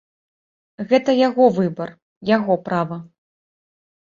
Гэта яго выбар, яго права.